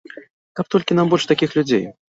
Каб толькі нам больш такіх людзей.